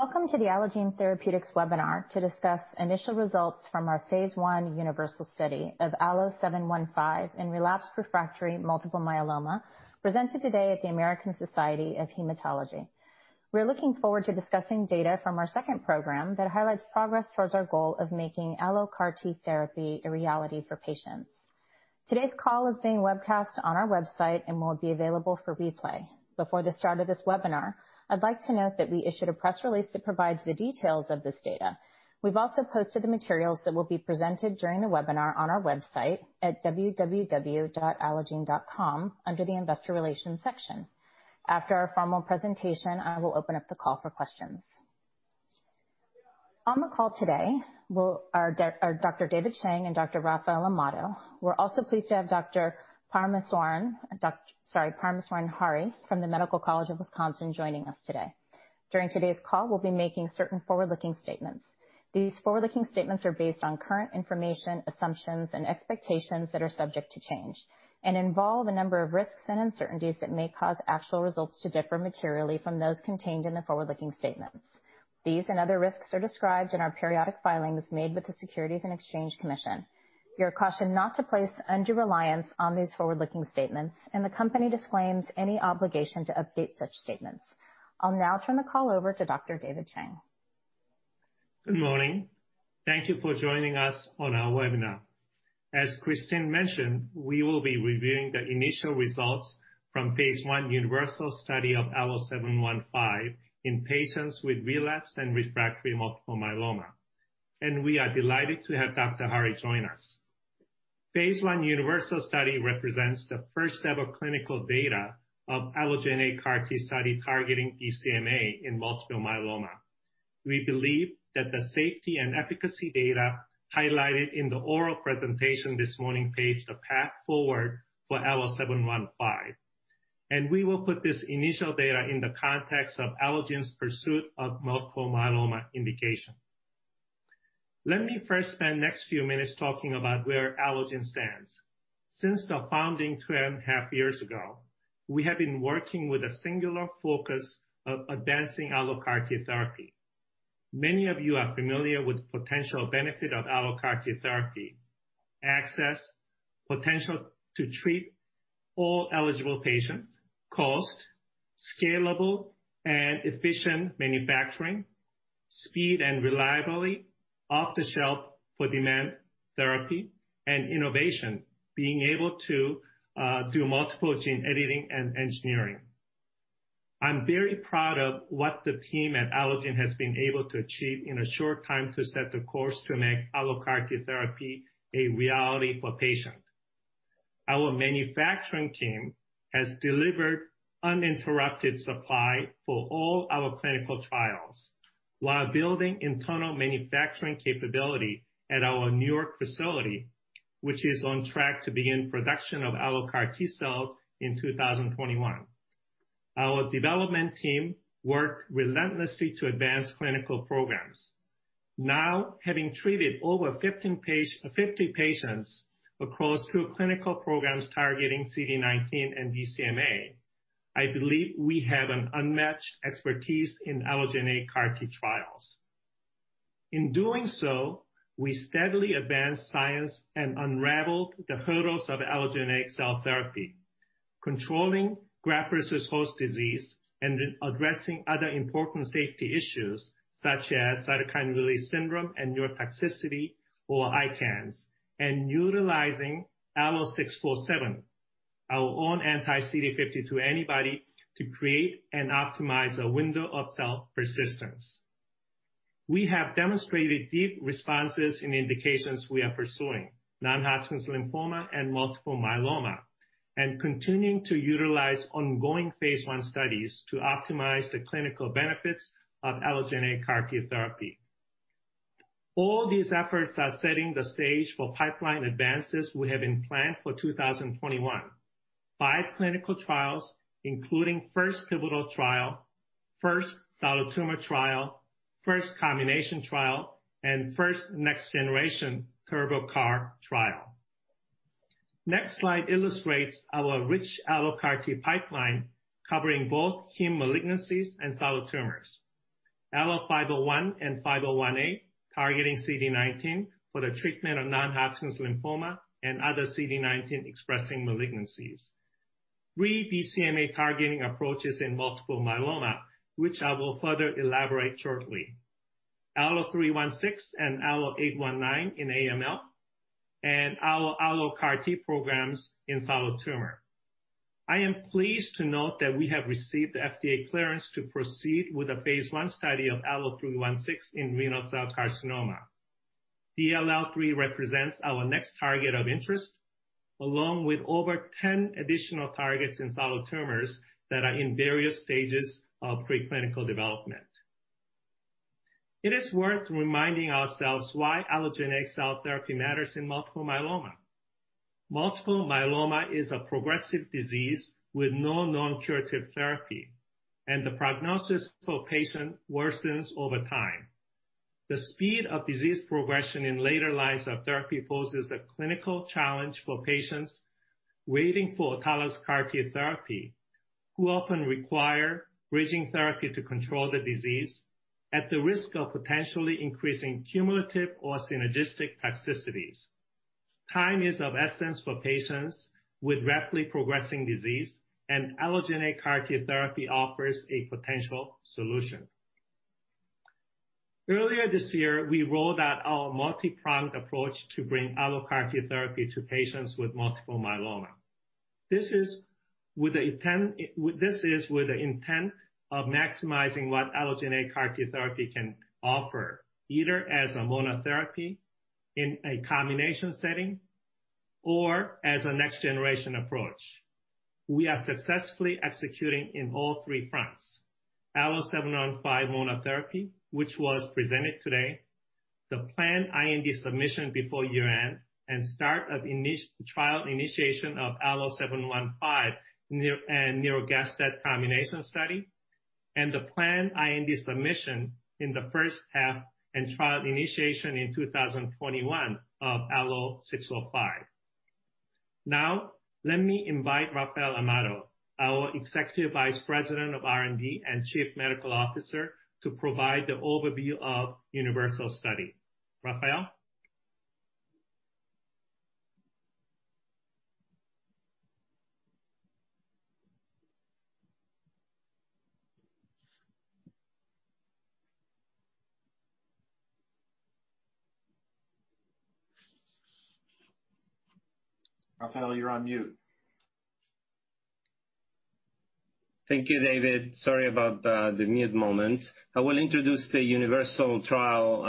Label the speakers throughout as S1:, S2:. S1: Welcome to the Allogene Therapeutics webinar to discuss initial results from our phase I Universal Study of ALLO-715 in relapsed refractory multiple myeloma, presented today at the American Society of Hematology. We're looking forward to discussing data from our second program that highlights progress towards our goal of making ALLO-CAR-T therapy a reality for patients. Today's call is being webcast on our website and will be available for replay. Before the start of this webinar, I'd like to note that we issued a press release that provides the details of this data. We've also posted the materials that will be presented during the webinar on our website at www.allogene.com under the investor relations section. After our formal presentation, I will open up the call for questions. On the call today are Dr. David Chang and Dr. Rafael Amado. We're also pleased to have Dr. Parameswaran Hari from the Medical College of Wisconsin joining us today. During today's call, we'll be making certain forward-looking statements. These forward-looking statements are based on current information, assumptions, and expectations that are subject to change and involve a number of risks and uncertainties that may cause actual results to differ materially from those contained in the forward-looking statements. These and other risks are described in our periodic filings made with the Securities and Exchange Commission. You're cautioned not to place any reliance on these forward-looking statements, and the company disclaims any obligation to update such statements. I'll now turn the call over to Dr. David Chang.
S2: Good morning. Thank you for joining us on our webinar. As Christine mentioned, we will be reviewing the initial results from phase I Universal Study of ALLO-715 in patients with relapsed and refractory multiple myeloma, and we are delighted to have Dr. Hari join us. Phase I Universal Study represents the first ever clinical data of Allogene CAR-T study targeting BCMA in multiple myeloma. We believe that the safety and efficacy data highlighted in the oral presentation this morning paved the path forward for ALLO-715, and we will put this initial data in the context of Allogene's pursuit of multiple myeloma indication. Let me first spend the next few minutes talking about where Allogene stands. Since the founding two and a half years ago, we have been working with a singular focus of advancing ALLO-CAR-T therapy. Many of you are familiar with the potential benefits of ALLO-CAR-T therapy: access, potential to treat all eligible patients, cost, scalable and efficient manufacturing, speed and reliability, off-the-shelf for demand therapy, and innovation, being able to do multiple gene editing and engineering. I'm very proud of what the team at Allogene Therapeutics has been able to achieve in a short time to set the course to make ALLO-CAR-T therapy a reality for patients. Our manufacturing team has delivered uninterrupted supply for all our clinical trials while building internal manufacturing capability at our New York facility, which is on track to begin production of ALLO-CAR-T cells in 2021. Our development team worked relentlessly to advance clinical programs. Now, having treated over 50 patients across two clinical programs targeting CD19 and BCMA, I believe we have an unmatched expertise in Allogene CAR-T trials. In doing so, we steadily advanced science and unraveled the hurdles of Allogene cell therapy, controlling graft versus host disease and addressing other important safety issues such as cytokine release syndrome and neurotoxicity, or ICANS, and utilizing ALLO-647, our own anti-CD52 antibody, to create and optimize a window of cell persistence. We have demonstrated deep responses in indications we are pursuing: non-Hodgkin's lymphoma and multiple myeloma, and continuing to utilize ongoing phase I studies to optimize the clinical benefits of Allogene CAR-T therapy. All these efforts are setting the stage for pipeline advances we have in plan for 2021: five clinical trials, including first pivotal trial, first solid tumor trial, first combination trial, and first next-generation TurboCAR trial. Next slide illustrates our rich ALLO-CAR-T pipeline covering both heme malignancies and solid tumors: ALLO-501 and 501A, targeting CD19 for the treatment of non-Hodgkin's lymphoma and other CD19-expressing malignancies, three BCMA-targeting approaches in multiple myeloma, which I will further elaborate shortly, ALLO-316 and ALLO-819 in AML, and our ALLO-CAR-T programs in solid tumor. I am pleased to note that we have received FDA clearance to proceed with a phase I study of ALLO-316 in renal cell carcinoma. DLL3 represents our next target of interest, along with over 10 additional targets in solid tumors that are in various stages of preclinical development. It is worth reminding ourselves why Allogene cell therapy matters in multiple myeloma. Multiple myeloma is a progressive disease with no known curative therapy, and the prognosis for patients worsens over time. The speed of disease progression in later lines of therapy poses a clinical challenge for patients waiting for autologous CAR-T therapy, who often require bridging therapy to control the disease at the risk of potentially increasing cumulative or synergistic toxicities. Time is of essence for patients with rapidly progressing disease, and Allogene CAR-T therapy offers a potential solution. Earlier this year, we rolled out our multi-pronged approach to bring ALLO-CAR-T therapy to patients with multiple myeloma. This is with the intent of maximizing what Allogene CAR-T therapy can offer, either as a monotherapy, in a combination setting, or as a next-generation approach. We are successfully executing in all three fronts: ALLO-715 monotherapy, which was presented today, the planned IND submission before year-end, and start of trial initiation of ALLO-715 and neurogas-step combination study, and the planned IND submission in the first half and trial initiation in 2021 of ALLO-605. Now, let me invite Rafael Amado, our Executive Vice President of R&D and Chief Medical Officer, to provide the overview of the Universal Study. Rafael?
S1: Rafael, you're on mute.
S3: Thank you, David. Sorry about the mute moment. I will introduce the Universal Trial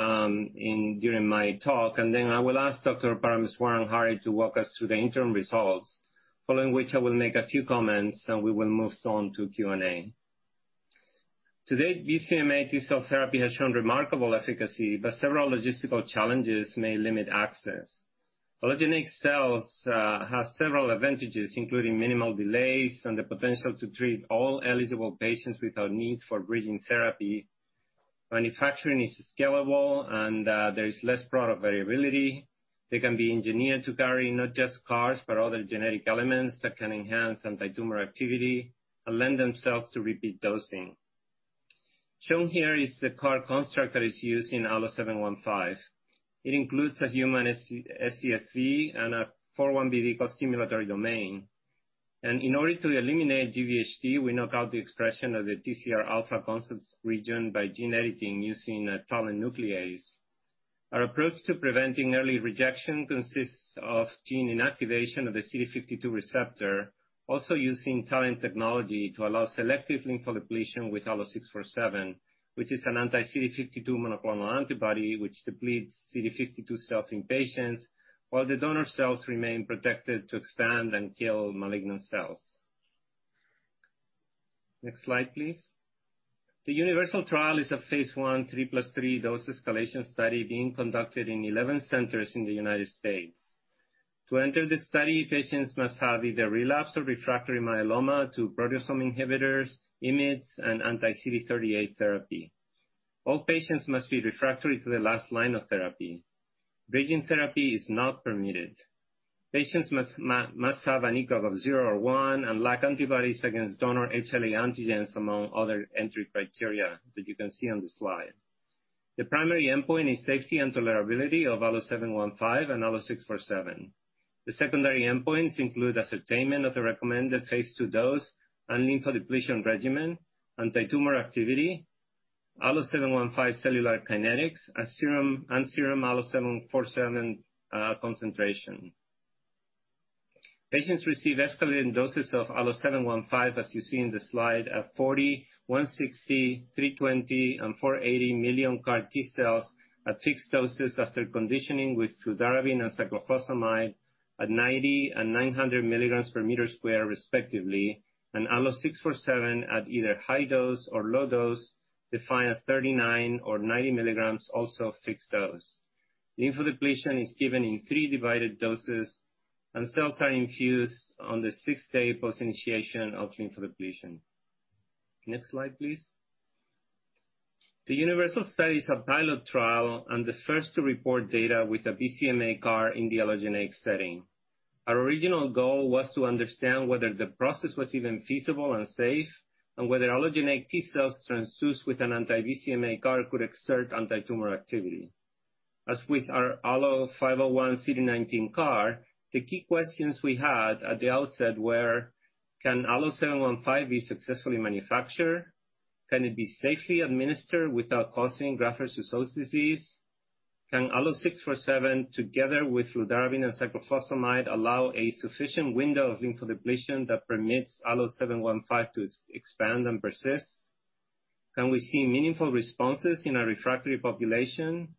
S3: during my talk, and then I will ask Dr. Parameswaran Hari to walk us through the interim results, following which I will make a few comments, and we will move on to Q&A. Today, BCMA T-cell therapy has shown remarkable efficacy, but several logistical challenges may limit access. Allogene cells have several advantages, including minimal delays and the potential to treat all eligible patients without need for bridging therapy. Manufacturing is scalable, and there is less product variability. They can be engineered to carry not just CARs, but other genetic elements that can enhance anti-tumor activity and lend themselves to repeat dosing. Shown here is the CAR construct that is used in ALLO-715. It includes a human SCSV and a 41BB co-stimulatory domain. In order to eliminate GVHD, we knock out the expression of the TCR alpha constant region by gene editing using a TALEN nuclease. Our approach to preventing early rejection consists of gene inactivation of the CD52 receptor, also using TALEN technology to allow selective lymphodepletion with ALLO-647, which is an anti-CD52 monoclonal antibody that depletes CD52 cells in patients while the donor cells remain protected to expand and kill malignant cells. Next slide, please. The Universal Trial is a phase I 3+3 dose escalation study being conducted in 11 centers in the United States. To enter the study, patients must have either relapsed or refractory myeloma to proteasome inhibitors, IMiDs, and anti-CD38 therapy. All patients must be refractory to the last line of therapy. Bridging therapy is not permitted. Patients must have an ECOG of zero or one and lack antibodies against donor HLA antigens, among other entry criteria that you can see on the slide. The primary endpoint is safety and tolerability of ALLO-715 and ALLO-647. The secondary endpoints include ascertainment of the recommended phase II dose and lymphodepletion regimen, anti-tumor activity, ALLO-715 cellular kinetics, and serum ALLO-647 concentration. Patients receive escalating doses of ALLO-715, as you see in the slide, at 40, 160, 320, and 480 million CAR-T cells at fixed doses after conditioning with fludarabine and cyclophosphamide at 90 mg and 900 mg/m², respectively, and ALLO-647 at either high dose or low dose, defined at 39 mg or 90 mg, also fixed dose. Lymphodepletion is given in three divided doses, and cells are infused on the sixth day post-initiation of lymphodepletion. Next slide, please. The Universal Study is a pilot trial and the first to report data with a BCMA CAR in the Allogene setting. Our original goal was to understand whether the process was even feasible and safe and whether Allogene T-cells transduced with an anti-BCMA CAR could exert anti-tumor activity. As with our ALLO-501 CD19 CAR, the key questions we had at the outset were, can ALLO-715 be successfully manufactured? Can it be safely administered without causing graft versus host disease? Can ALLO-647, together with fludarabine and cyclophosphamide, allow a sufficient window of lymphodepletion that permits ALLO-715 to expand and persist? Can we see meaningful responses in a refractory population?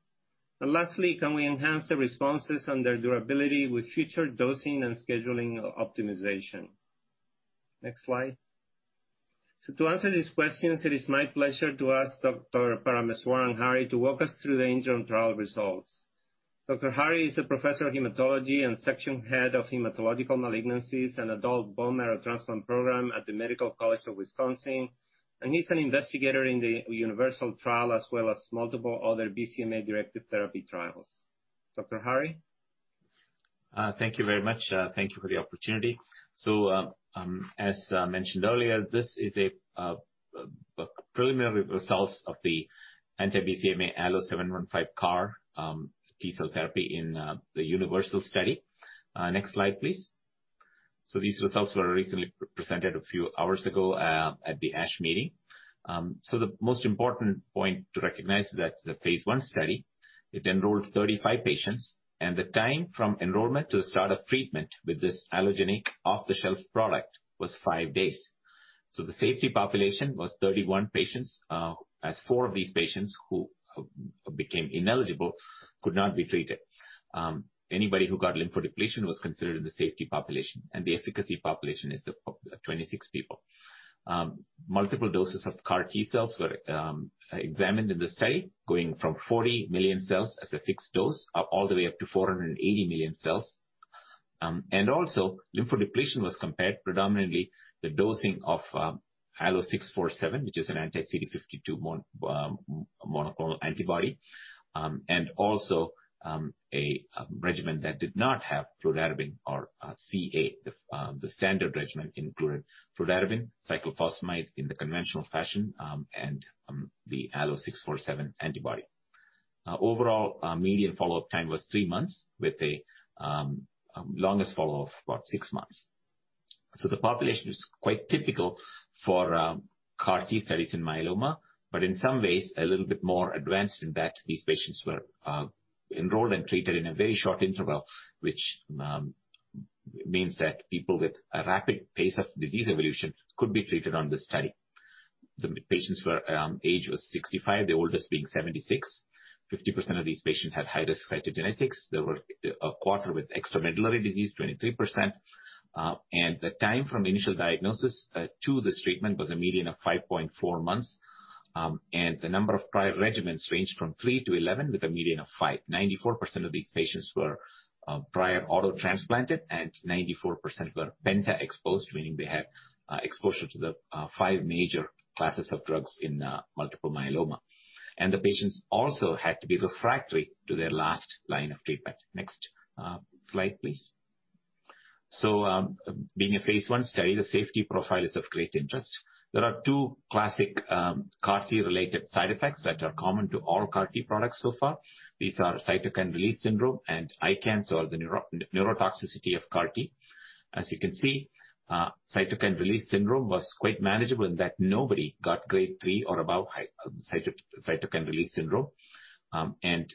S3: Lastly, can we enhance the responses and their durability with future dosing and scheduling optimization? Next slide. To answer these questions, it is my pleasure to ask Dr. Parameswaran Hari to walk us through the interim trial results. Dr. Hari is a professor of hematology and Section Head of Hematological Malignancies and Adult Bone Marrow Transplant Program at the Medical College of Wisconsin, and he's an investigator in the Universal Trial as well as multiple other BCMA-directed therapy trials. Dr. Hari?
S4: Thank you very much. Thank you for the opportunity. As mentioned earlier, this is the preliminary results of the anti-BCMA ALLO-715 CAR-T cell therapy in the Universal Study. Next slide, please. These results were recently presented a few hours ago at the ASH meeting. The most important point to recognize is that it's a phase I study. It enrolled 35 patients, and the time from enrollment to the start of treatment with this Allogene off-the-shelf product was five days. The safety population was 31 patients, as four of these patients who became ineligible could not be treated. Anybody who got lymphodepletion was considered in the safety population, and the efficacy population is 26 people. Multiple doses of CAR-T cells were examined in the study, going from 40 million cells as a fixed dose all the way up to 480 million cells. Lymphodepletion was compared predominantly to the dosing of ALLO-647, which is an anti-CD52 monoclonal antibody, and also a regimen that did not have fludarabine or CA, the standard regimen including fludarabine, cyclophosphamide in the conventional fashion, and the ALLO-647 antibody. Overall, median follow-up time was three months, with the longest follow-up of about six months. The population is quite typical for CAR-T studies in myeloma, but in some ways, a little bit more advanced in that these patients were enrolled and treated in a very short interval, which means that people with a rapid pace of disease evolution could be treated on this study. The patients' age was 65, the oldest being 76. 50% of these patients had high-risk cytogenetics. There were a quarter with extramedullary disease, 23%. The time from initial diagnosis to this treatment was a median of 5.4 months, and the number of prior regimens ranged from 3-11, with a median of 5. 94% of these patients were prior autotransplanted, and 94% were PENTA-exposed, meaning they had exposure to the five major classes of drugs in multiple myeloma. The patients also had to be refractory to their last line of treatment. Next slide, please. Being a phase I study, the safety profile is of great interest. There are two classic CAR-T-related side effects that are common to all CAR-T products so far. These are cytokine release syndrome and ICANS, or the neurotoxicity of CAR-T. As you can see, cytokine release syndrome was quite manageable in that nobody got Grade III or above cytokine release syndrome, and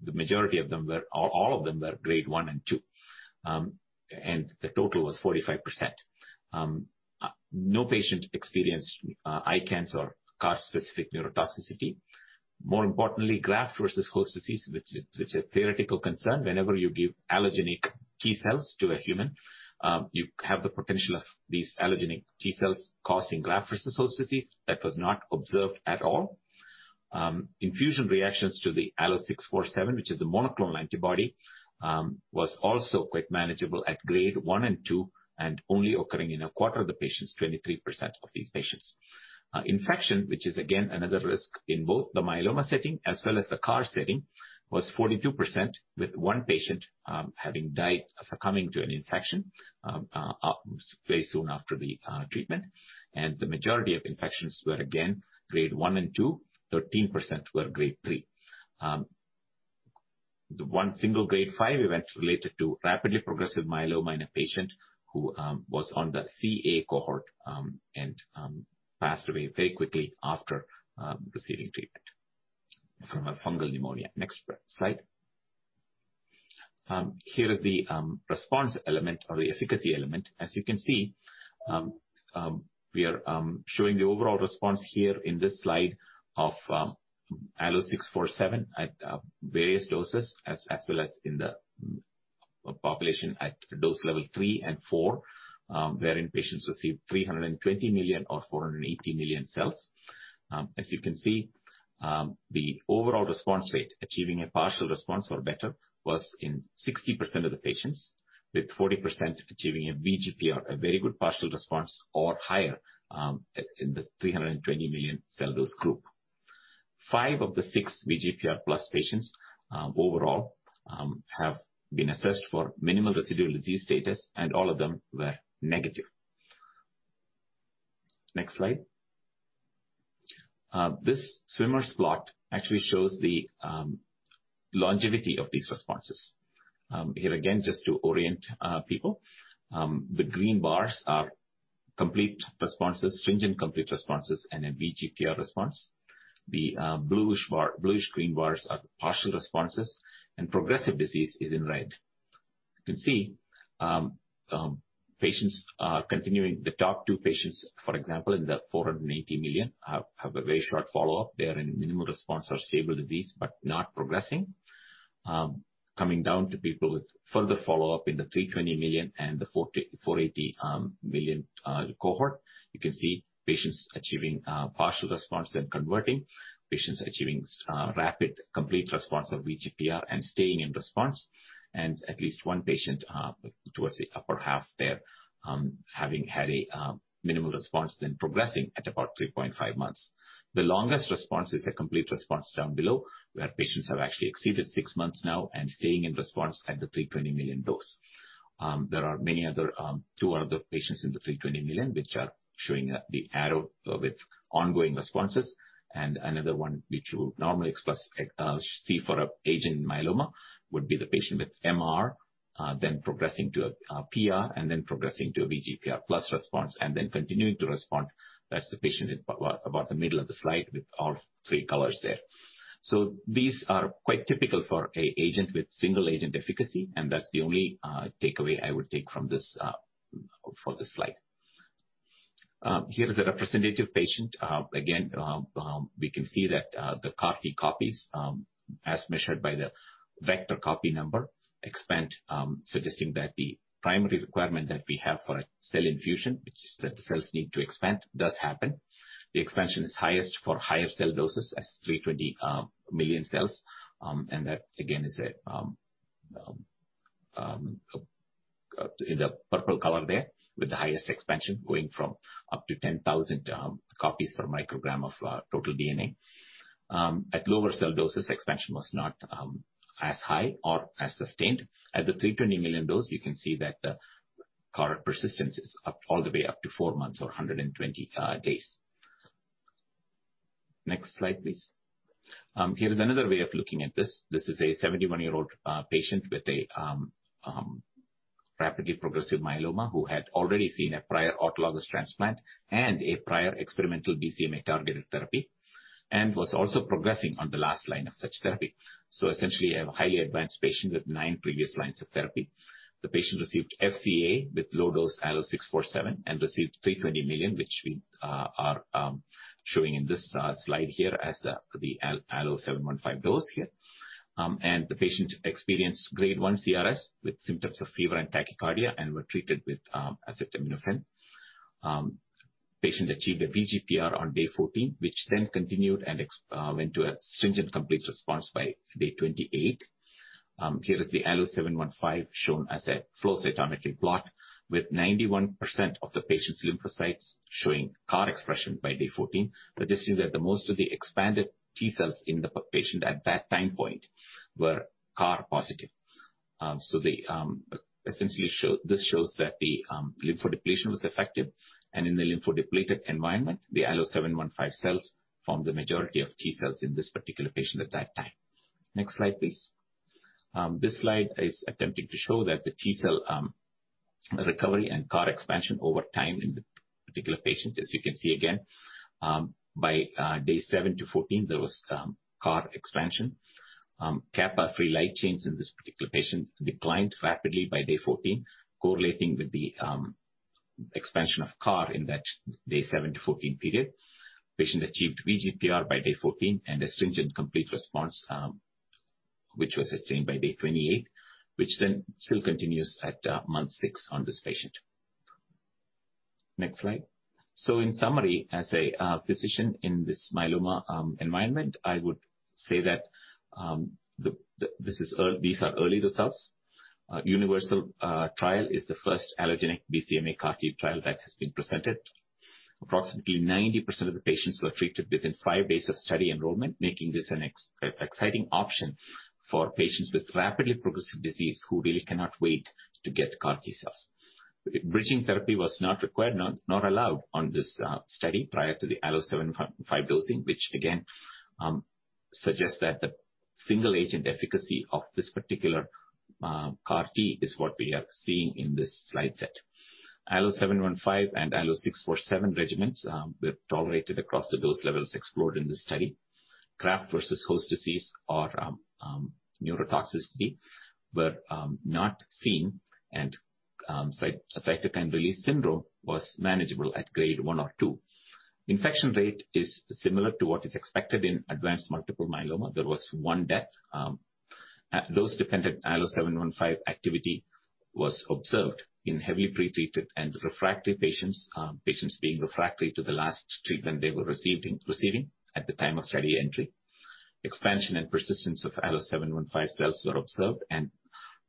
S4: the majority of them were all of them were Grade I and II, and the total was 45%. No patient experienced ICANS or CAR-specific neurotoxicity. More importantly, graft versus host disease, which is a theoretical concern. Whenever you give Allogene T cells to a human, you have the potential of these Allogene T cells causing graft versus host disease. That was not observed at all. Infusion reactions to the ALLO-647, which is the monoclonal antibody, were also quite manageable at Grade I and II and only occurring in a quarter of the patients, 23% of these patients. Infection, which is again another risk in both the myeloma setting as well as the CAR-T setting, was 42%, with one patient having died succumbing to an infection very soon after the treatment. The majority of infections were again Grade I and II. 13% were Grade III. The one single Grade V event related to rapidly progressive myeloma in a patient who was on the CA cohort and passed away very quickly after receiving treatment from a fungal pneumonia. Next slide. Here is the response element or the efficacy element. As you can see, we are showing the overall response here in this slide of ALLO-647 at various doses, as well as in the population at dose level III and IV, wherein patients received 320 million or 480 million cells. As you can see, the overall response rate, achieving a partial response or better, was in 60% of the patients, with 40% achieving a VGPR, a very good partial response or higher, in the 320 million cell dose group. Five of the six VGPR plus patients overall have been assessed for minimal residual disease status, and all of them were negative. Next slide. This swimmers plot actually shows the longevity of these responses. Here again, just to orient people, the green bars are complete responses, stringent complete responses, and a VGPR response. The bluish-green bars are the partial responses, and progressive disease is in red. You can see patients continuing. The top two patients, for example, in the 480 million, have a very short follow-up. They are in minimal response or stable disease but not progressing. Coming down to people with further follow-up in the 320 million and the 480 million cohort, you can see patients achieving partial response and converting, patients achieving rapid complete response or VGPR and staying in response, and at least one patient towards the upper half there having had a minimal response then progressing at about 3.5 months. The longest response is a complete response down below, where patients have actually exceeded six months now and staying in response at the 320 million dose. There are two other patients in the 320 million which are showing the arrow with ongoing responses, and another one which you would normally see for an aging myeloma would be the patient with MR, then progressing to a PR, and then progressing to a VGPR plus response and then continuing to respond. That's the patient in about the middle of the slide with all three colors there. These are quite typical for an agent with single-agent efficacy, and that's the only takeaway I would take from this for this slide. Here is a representative patient. Again, we can see that the CAR-T copies, as measured by the vector copy number, expand, suggesting that the primary requirement that we have for a cell infusion, which is that the cells need to expand, does happen. The expansion is highest for higher cell doses as 320 million cells, and that again is in the purple color there with the highest expansion going from up to 10,000 copies/μg of total DNA. At lower cell doses, expansion was not as high or as sustained. At the 320 million dose, you can see that the CAR persistence is up all the way up to four months or 120 days. Next slide, please. Here is another way of looking at this. This is a 71-year-old patient with a rapidly progressive myeloma who had already seen a prior autologous transplant and a prior experimental BCMA targeted therapy and was also progressing on the last line of such therapy. Essentially, a highly advanced patient with nine previous lines of therapy. The patient received FCA with low-dose ALLO-647 and received 320 million, which we are showing in this slide here as the ALLO-715 dose here. The patient experienced Grade I CRS with symptoms of fever and tachycardia and was treated with azithromycin. The patient achieved a VGPR on day 14, which then continued and went to a stringent complete response by day 28. Here is the ALLO-715 shown as a flow cytometry plot with 91% of the patient's lymphocytes showing CAR expression by day 14, suggesting that most of the expanded T cells in the patient at that time point were CAR positive. Essentially, this shows that the lymphodepletion was effective, and in the lymphodepleted environment, the ALLO-715 cells formed the majority of T cells in this particular patient at that time. Next slide, please. This slide is attempting to show the T cell recovery and CAR expansion over time in the particular patient. As you can see again, by day 7-14, there was CAR expansion. FLC in this particular patient declined rapidly by day 14, correlating with the expansion of CAR in that day 7-14 period. The patient achieved VGPR by day 14 and a stringent complete response, which was attained by day 28, which then still continues at month six on this patient. Next slide. In summary, as a physician in this myeloma environment, I would say that these are early results. Universal Trial is the first Allogene BCMA CAR-T trial that has been presented. Approximately 90% of the patients were treated within five days of study enrollment, making this an exciting option for patients with rapidly progressive disease who really cannot wait to get CAR-T cells. Bridging therapy was not required, not allowed on this study prior to the ALLO-715 dosing, which again suggests that the single-agent efficacy of this particular CAR-T is what we are seeing in this slide set. ALLO-715 and ALLO-647 regimens were tolerated across the dose levels explored in this study. Graft-versus-host disease or neurotoxicity were not seen, and cytokine release syndrome was manageable at Grade I or II. Infection rate is similar to what is expected in advanced multiple myeloma. There was one death. Dose-dependent ALLO-715 activity was observed in heavily pretreated and refractory patients, patients being refractory to the last treatment they were receiving at the time of study entry. Expansion and persistence of ALLO-715 cells were observed, and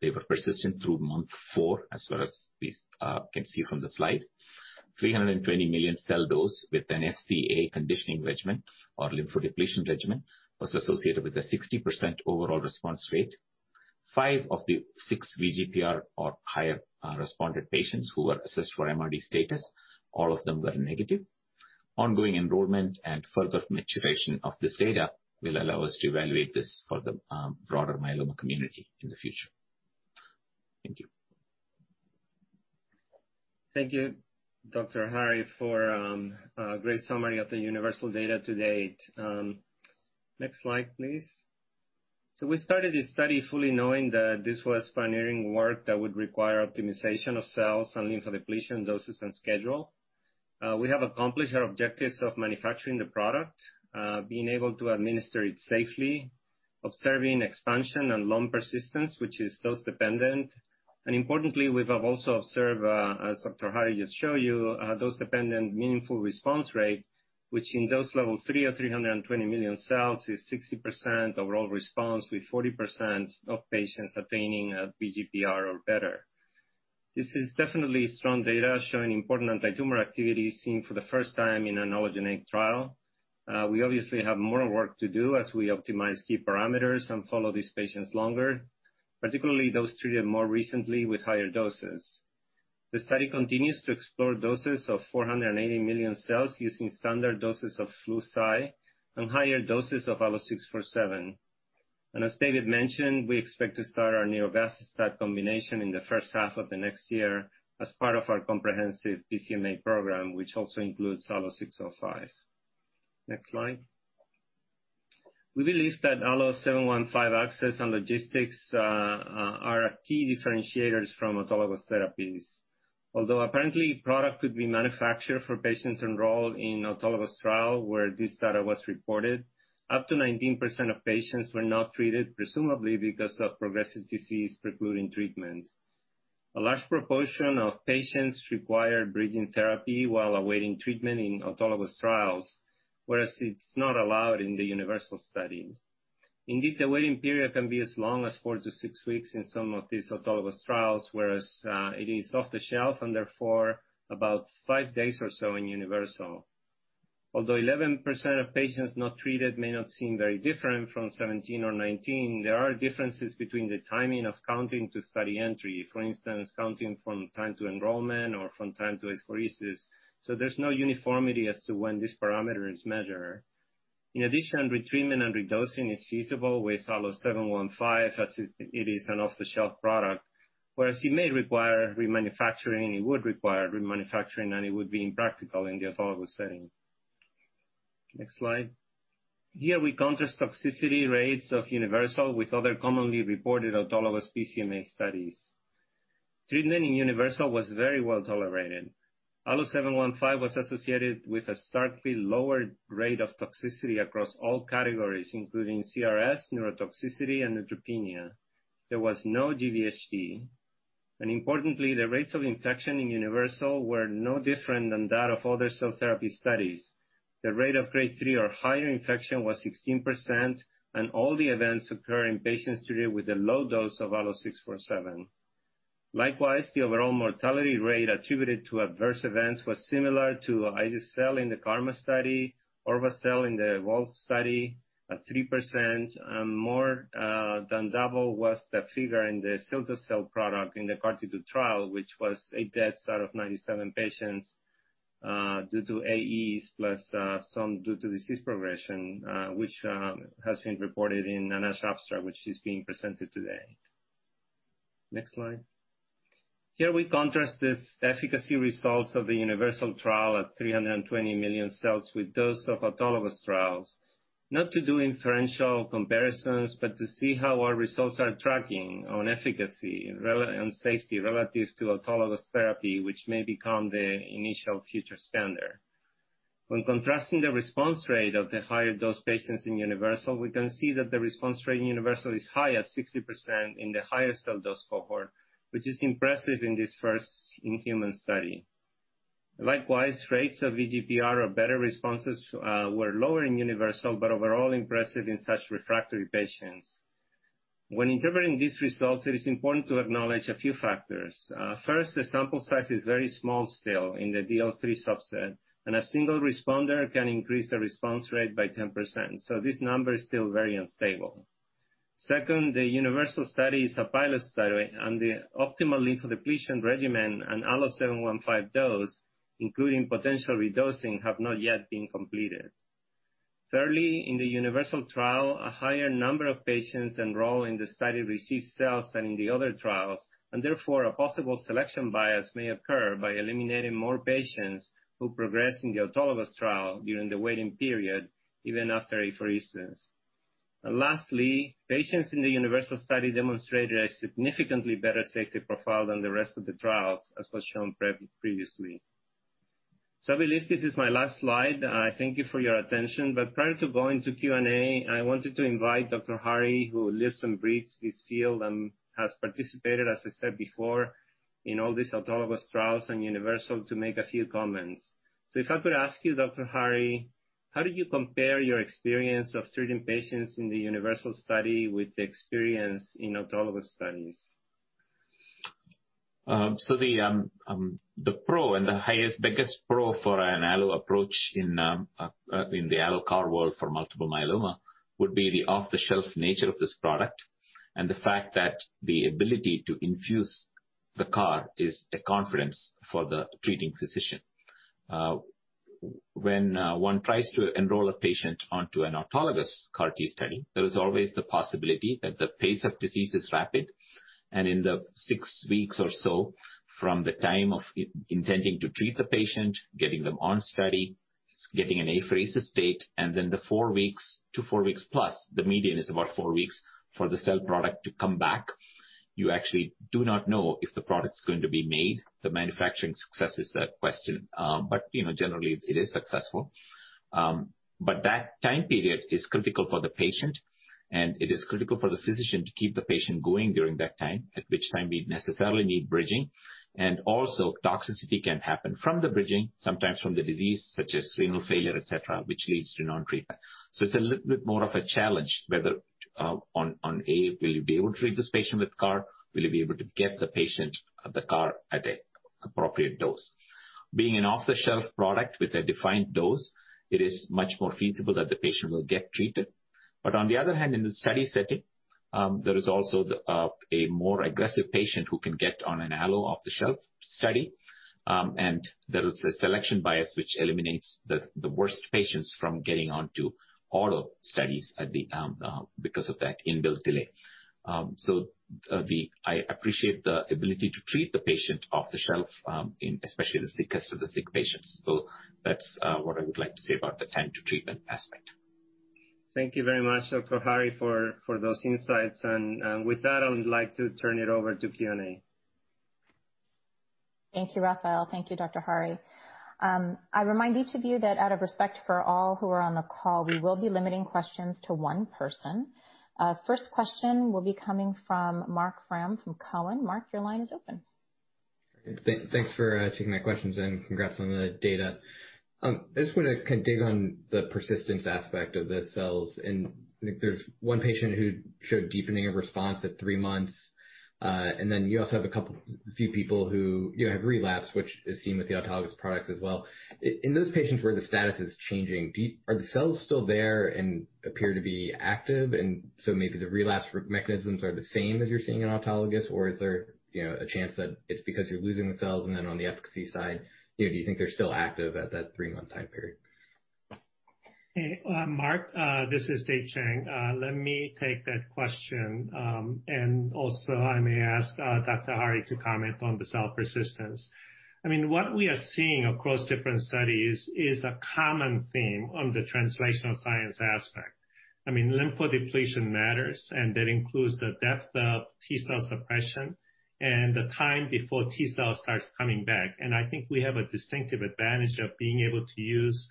S4: they were persistent through month 4, as well as we can see from the slide. 320 million cell dose with an FCA conditioning regimen or lymphodepletion regimen was associated with a 60% overall response rate. Five of the six VGPR or higher respondent patients who were assessed for MRD status, all of them were negative. Ongoing enrollment and further maturation of this data will allow us to evaluate this for the broader myeloma community in the future.
S3: Thank you. Thank you, Dr. Hari, for a great summary of the universal data to date. Next slide, please. We started this study fully knowing that this was pioneering work that would require optimization of cells and lymphodepletion doses and schedule. We have accomplished our objectives of manufacturing the product, being able to administer it safely, observing expansion and long persistence, which is dose-dependent. Importantly, we have also observed, as Dr. Hari just showed you, a dose-dependent meaningful response rate, which in dose level III of 320 million cells is 60% overall response, with 40% of patients attaining a VGPR or better. This is definitely strong data showing important anti-tumor activity seen for the first time in an Allogene trial. We obviously have more work to do as we optimize key parameters and follow these patients longer, particularly those treated more recently with higher doses. The study continues to explore doses of 480 million cells using standard doses of Flu/Cy and higher doses of ALLO-647. As David mentioned, we expect to start our neuroblastostat combination in the first half of the next year as part of our comprehensive BCMA program, which also includes ALLO-605. Next slide. We believe that ALLO-715 access and logistics are key differentiators from autologous therapies. Although apparently product could be manufactured for patients enrolled in autologous trial where this data was reported, up to 19% of patients were not treated, presumably because of progressive disease precluding treatment. A large proportion of patients require bridging therapy while awaiting treatment in autologous trials, whereas it is not allowed in the universal study. Indeed, the waiting period can be as long as four to six weeks in some of these autologous trials, whereas it is off the shelf and therefore about five days or so in universal. Although 11% of patients not treated may not seem very different from 17% or 19%, there are differences between the timing of counting to study entry, for instance, counting from time to enrollment or from time to apheresis. There is no uniformity as to when this parameter is measured. In addition, retreatment and redosing is feasible with ALLO-715 as it is an off-the-shelf product, whereas it may require remanufacturing, it would require remanufacturing, and it would be impractical in the autologous setting. Next slide. Here we contrast toxicity rates of universal with other commonly reported autologous BCMA studies. Treatment in universal was very well tolerated. ALLO-715 was associated with a starkly lower rate of toxicity across all categories, including CRS, neurotoxicity, and neutropenia. There was no GVHD. Importantly, the rates of infection in Universal were no different than that of other cell therapy studies. The rate of Grade III or higher infection was 16%, and all the events occurred in patients treated with a low dose of ALLO-647. Likewise, the overall mortality rate attributed to adverse events was similar to IDA cell in the KARMA study, ORVA cell in the WALT study, at 3%, and more than double was the figure in the siltocell product in the CAR-T trial, which was eight deaths out of 97 patients due to AEs plus some due to disease progression, which has been reported in Anash Abstract, which is being presented today. Next slide. Here we contrast these efficacy results of the Universal Trial at 320 million cells with those of autologous trials, not to do inferential comparisons, but to see how our results are tracking on efficacy and safety relative to autologous therapy, which may become the initial future standard. When contrasting the response rate of the higher dose patients in Universal, we can see that the response rate in Universal is high at 60% in the higher cell dose cohort, which is impressive in this first in-human study. Likewise, rates of VGPR or better responses were lower in Universal, but overall impressive in such refractory patients. When interpreting these results, it is important to acknowledge a few factors. First, the sample size is very small still in the DL3 subset, and a single responder can increase the response rate by 10%. This number is still very unstable. Second, the Universal Study is a pilot study, and the optimal lymphodepletion regimen and ALLO-715 dose, including potential redosing, have not yet been completed. Thirdly, in the Universal Trial, a higher number of patients enrolled in the study receive cells than in the other trials, and therefore a possible selection bias may occur by eliminating more patients who progress in the autologous trial during the waiting period, even after a first dose. Lastly, patients in the Universal Study demonstrated a significantly better safety profile than the rest of the trials, as was shown previously. I believe this is my last slide. I thank you for your attention, but prior to going to Q&A, I wanted to invite Dr. Hari, who lives and breathes this field and has participated, as I said before, in all these autologous trials and Universal to make a few comments. If I could ask you, Dr. Hari, how did you compare your experience of treating patients in the Universal Study with the experience in autologous studies?
S4: The pro and the biggest pro for an ALLO approach in the ALLO-CAR world for multiple myeloma would be the off-the-shelf nature of this product and the fact that the ability to infuse the CAR is a confidence for the treating physician. When one tries to enroll a patient onto an autologous CAR-T study, there is always the possibility that the pace of disease is rapid, and in the six weeks or so from the time of intending to treat the patient, getting them on study, getting an apheresis date, and then the four weeks to four weeks plus, the median is about four weeks for the cell product to come back, you actually do not know if the product's going to be made. The manufacturing success is a question, but generally, it is successful. That time period is critical for the patient, and it is critical for the physician to keep the patient going during that time, at which time we necessarily need bridging. Also, toxicity can happen from the bridging, sometimes from the disease, such as renal failure, etc., which leads to non-treatment. It is a little bit more of a challenge whether on A, will you be able to treat this patient with CAR? Will you be able to get the patient the CAR at an appropriate dose? Being an off-the-shelf product with a defined dose, it is much more feasible that the patient will get treated. On the other hand, in the study setting, there is also a more aggressive patient who can get on an ALLO off-the-shelf study, and there is a selection bias which eliminates the worst patients from getting onto auto studies because of that inbuilt delay. I appreciate the ability to treat the patient off-the-shelf, especially the sickest of the sick patients. That is what I would like to say about the time to treatment aspect.
S3: Thank you very much, Dr. Hari, for those insights. With that, I'd like to turn it over to Q&A.
S1: Thank you, Rafael. Thank you, Dr. Hari. I remind each of you that out of respect for all who are on the call, we will be limiting questions to one per person. First question will be coming from Mark Graham from Cowen. Mark, your line is open.
S5: Thanks for taking my questions and congrats on the data. I just want to kind of dig on the persistence aspect of the cells. There's one patient who showed deepening of response at three months, and then you also have a few people who have relapsed, which is seen with the autologous products as well. In those patients where the status is changing, are the cells still there and appear to be active? Maybe the relapse mechanisms are the same as you're seeing in autologous, or is there a chance that it's because you're losing the cells? On the efficacy side, do you think they're still active at that three-month time period?
S2: Hey, Mark, this is Dave Chang. Let me take that question. I may ask Dr. Hari to comment on the cell persistence. I mean, what we are seeing across different studies is a common theme on the translational science aspect. I mean, lymphodepletion matters, and that includes the depth of T-cell suppression and the time before T-cell starts coming back. I think we have a distinctive advantage of being able to use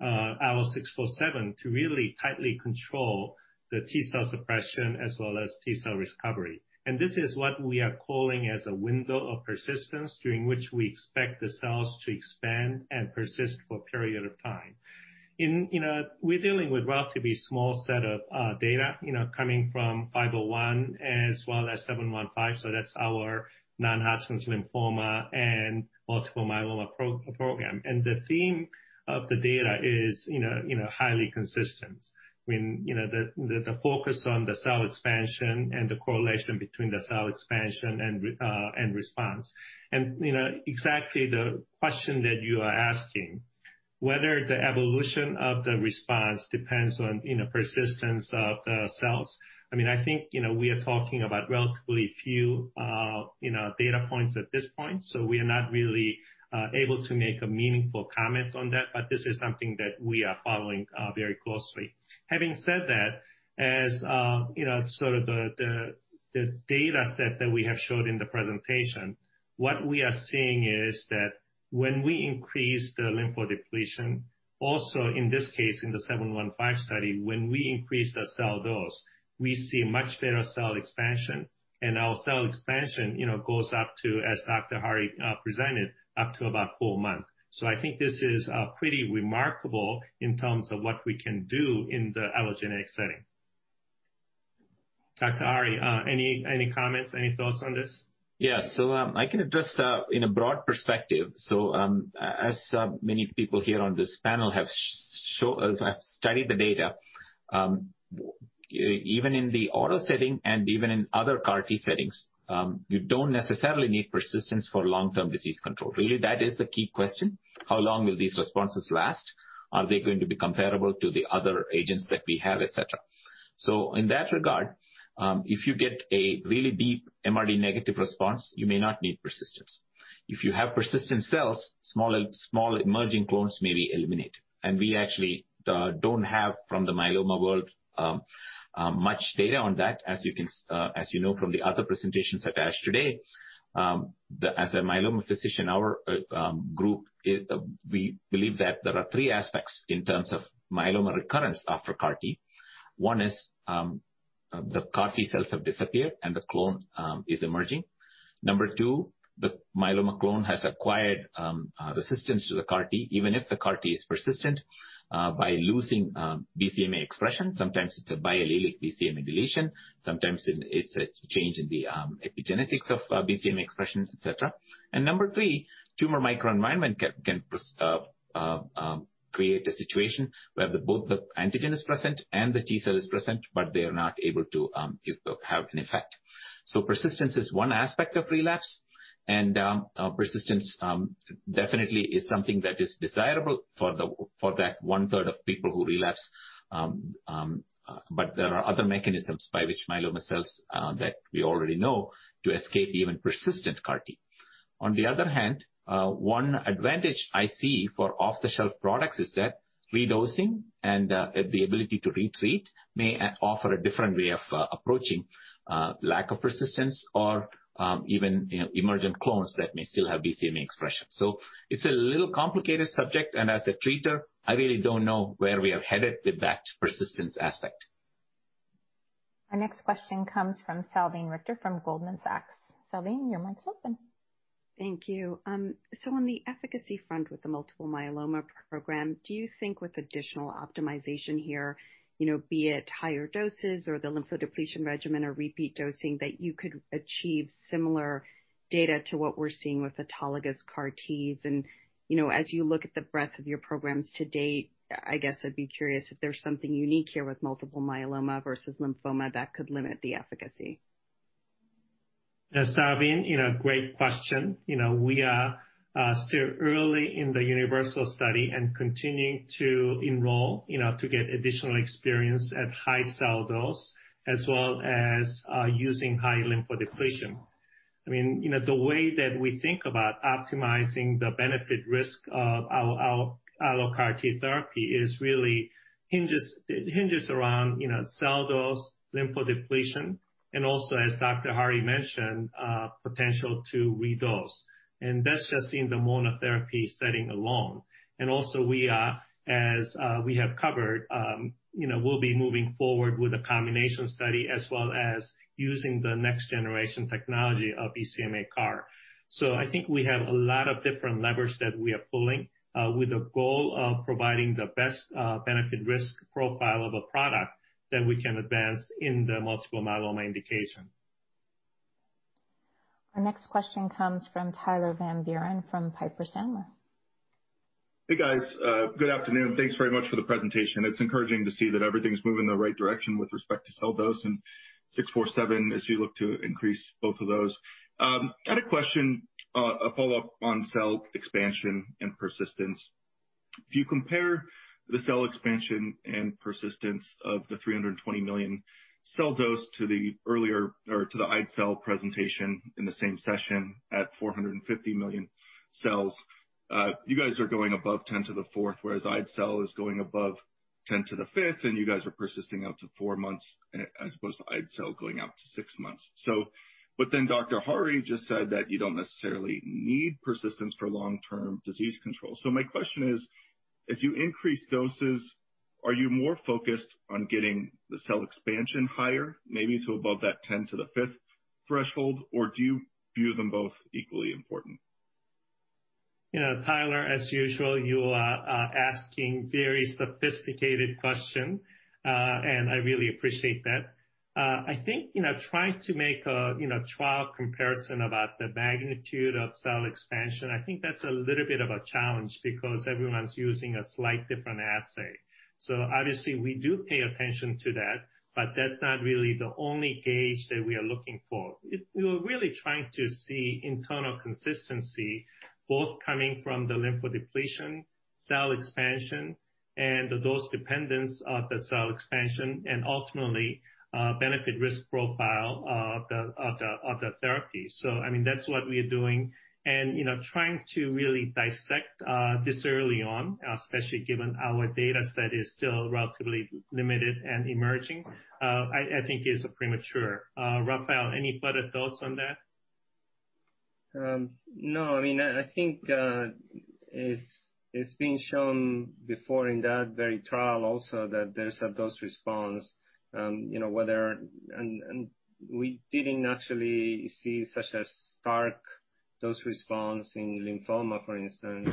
S2: ALLO-647 to really tightly control the T-cell suppression as well as T-cell recovery. This is what we are calling as a window of persistence during which we expect the cells to expand and persist for a period of time. We're dealing with a relatively small set of data coming from 501 as well as 715, so that's our non-Hodgkin's lymphoma and multiple myeloma program. The theme of the data is highly consistent. I mean, the focus on the cell expansion and the correlation between the cell expansion and response. Exactly the question that you are asking, whether the evolution of the response depends on persistence of the cells, I mean, I think we are talking about relatively few data points at this point, so we are not really able to make a meaningful comment on that, but this is something that we are following very closely. Having said that, as sort of the dataset that we have showed in the presentation, what we are seeing is that when we increase the lymphodepletion, also in this case, in the 715 study, when we increase the cell dose, we see much better cell expansion, and our cell expansion goes up to, as Dr. Hari presented, up to about four months. I think this is pretty remarkable in terms of what we can do in the allogeneic setting. Dr. Hari, any comments, any thoughts on this? Yeah, I can address in a broad perspective. As many people here on this panel have studied the data, even in the auto setting and even in other CAR-T settings, you do not necessarily need persistence for long-term disease control. Really, that is the key question. How long will these responses last? Are they going to be comparable to the other agents that we have, etc.? In that regard, if you get a really deep MRD negative response, you may not need persistence. If you have persistent cells, small emerging clones may be eliminated. We actually do not have from the myeloma world much data on that. As you know from the other presentations that I asked today, as a myeloma physician, our group, we believe that there are three aspects in terms of myeloma recurrence after CAR-T. One is the CAR-T cells have disappeared and the clone is emerging. Number two, the myeloma clone has acquired resistance to the CAR-T, even if the CAR-T is persistent by losing BCMA expression. Sometimes it is a biallelic BCMA deletion. Sometimes it is a change in the epigenetics of BCMA expression, etc. Number three, tumor microenvironment can create a situation where both the antigen is present and the T-cell is present, but they are not able to have an effect. Persistence is one aspect of relapse, and persistence definitely is something that is desirable for that one-third of people who relapse, but there are other mechanisms by which myeloma cells that we already know to escape even persistent CAR-T. On the other hand, one advantage I see for off-the-shelf products is that redosing and the ability to retreat may offer a different way of approaching lack of persistence or even emergent clones that may still have BCMA expression. It is a little complicated subject, and as a treater, I really do not know where we are headed with that persistence aspect.
S1: Our next question comes from Salveen Richter from Goldman Sachs. Salveen, your mic's open.
S6: Thank you. On the efficacy front with the multiple myeloma program, do you think with additional optimization here, be it higher doses or the lymphodepletion regimen or repeat dosing, that you could achieve similar data to what we're seeing with autologous CAR-Ts? As you look at the breadth of your programs to date, I guess I'd be curious if there's something unique here with multiple myeloma versus lymphoma that could limit the efficacy.
S3: Yeah, Salveen, great question. We are still early in the universal study and continuing to enroll to get additional experience at high cell dose as well as using high lymphodepletion. I mean, the way that we think about optimizing the benefit-risk of our ALLO-CAR-T therapy really hinges around cell dose, lymphodepletion, and also, as Dr. Hari mentioned, potential to redose. That's just in the monotherapy setting alone. Also, as we have covered, we'll be moving forward with a combination study as well as using the next-generation technology of BCMA CAR. I think we have a lot of different levers that we are pulling with the goal of providing the best benefit-risk profile of a product that we can advance in the multiple myeloma indication. Our next question comes from Tyler Van Buren from Piper Sandler.
S7: Hey, guys. Good afternoon. Thanks very much for the presentation. It's encouraging to see that everything's moving in the right direction with respect to cell dose and 647 as you look to increase both of those. I had a question, a follow-up on cell expansion and persistence. If you compare the cell expansion and persistence of the 320 million cell dose to the earlier or to the IDCEL presentation in the same session at 450 million cells, you guys are going above 10 to the fourth, whereas IDCEL is going above 10 to the fifth, and you guys are persisting out to four months as opposed to IDCEL going out to six months. Dr. Hari just said that you do not necessarily need persistence for long-term disease control. My question is, as you increase doses, are you more focused on getting the cell expansion higher, maybe to above that 10 to the fifth threshold, or do you view them both equally important?
S4: Tyler, as usual, you are asking very sophisticated questions, and I really appreciate that. I think trying to make a trial comparison about the magnitude of cell expansion, I think that's a little bit of a challenge because everyone's using a slight different assay. Obviously, we do pay attention to that, but that's not really the only gauge that we are looking for. We're really trying to see internal consistency both coming from the lymphodepletion, cell expansion, and the dose dependence of the cell expansion and ultimately benefit-risk profile of the therapy. I mean, that's what we are doing. Trying to really dissect this early on, especially given our dataset is still relatively limited and emerging, I think is premature. Rafael, any further thoughts on that?
S3: No, I mean, I think it's been shown before in that very trial also that there's a dose response, whereas we didn't actually see such a stark dose response in lymphoma, for instance,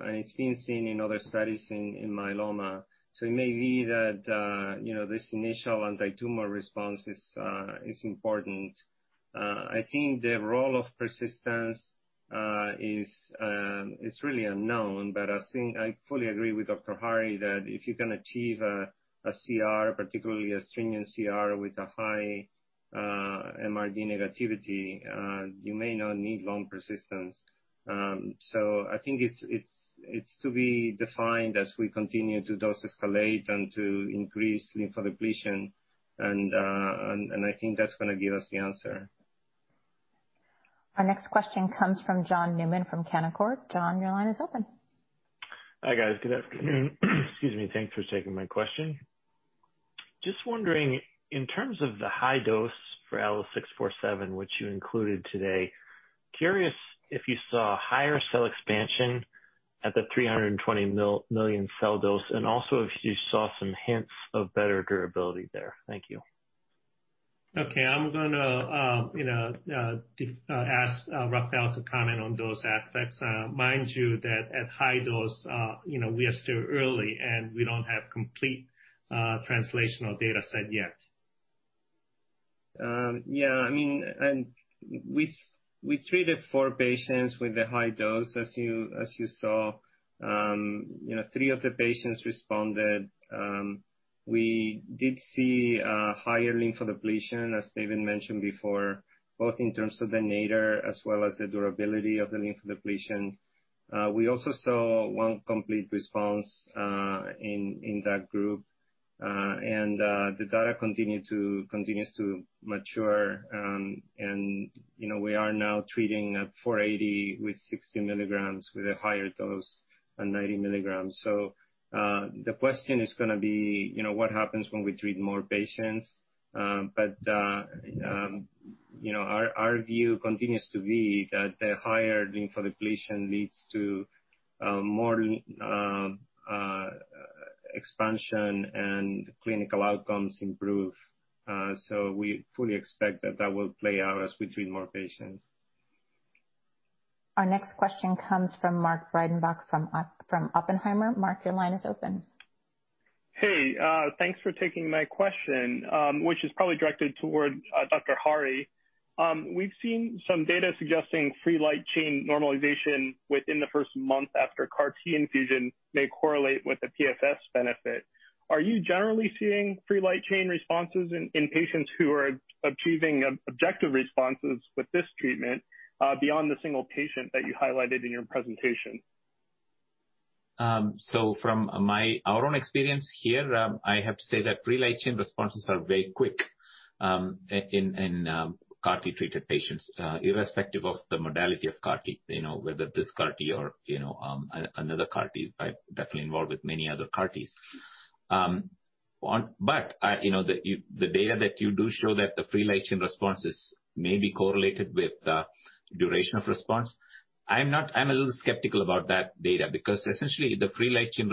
S3: and it's been seen in other studies in myeloma. It may be that this initial anti-tumor response is important. I think the role of persistence is really unknown, but I think I fully agree with Dr. Hari that if you can achieve a CR, particularly a stringent CR with a high MRD negativity, you may not need long persistence. I think it's to be defined as we continue to dose escalate and to increase lymphodepletion, and I think that's going to give us the answer.
S1: Our next question comes from John Newman from Canaccord. John, your line is open.
S8: Hi, guys. Good afternoon. Excuse me. Thanks for taking my question. Just wondering, in terms of the high dose for ALLO-647, which you included today, curious if you saw higher cell expansion at the 320 million cell dose and also if you saw some hints of better durability there. Thank you.
S4: Okay, I'm going to ask Rafael to comment on those aspects. Mind you that at high dose, we are still early and we don't have complete translational dataset yet.
S3: Yeah, I mean, we treated four patients with the high dose, as you saw. Three of the patients responded. We did see higher lymphodepletion, as David mentioned before, both in terms of the nadir as well as the durability of the lymphodepletion. We also saw one complete response in that group, and the data continues to mature. We are now treating at 480 with 60 mg with a higher dose than 90 mg. The question is going to be what happens when we treat more patients, but our view continues to be that the higher lymphodepletion leads to more expansion and clinical outcomes improve. We fully expect that that will play out as we treat more patients.
S1: Our next question comes from Mark Breidenbach from Oppenheimer. Mark, your line is open.
S9: Hey, thanks for taking my question, which is probably directed toward Dr. Hari. We've seen some data suggesting free light chain normalization within the first month after CAR-T infusion may correlate with the PFS benefit. Are you generally seeing free light chain responses in patients who are achieving objective responses with this treatment beyond the single patient that you highlighted in your presentation?
S4: From my own experience here, I have to say that free light chain responses are very quick in CAR-T treated patients, irrespective of the modality of CAR-T, whether it's this CAR-T or another CAR-T. I'm definitely involved with many other CAR-Ts. The data that you do show that the free light chain responses may be correlated with the duration of response, I'm a little skeptical about that data because essentially the free light chain,